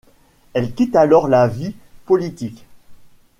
Elle quitte alors la vie politique.